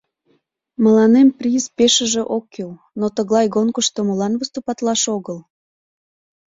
Мыланем приз пешыже ок кӱл, но тыглай гонкышто молан выступатлаш огыл?